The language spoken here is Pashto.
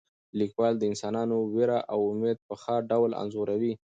لیکوال د انسانانو ویره او امید په ښه ډول انځوروي.